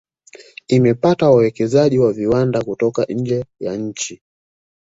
Imepata wawekezaji wa viwanada kutoka nje ya nchi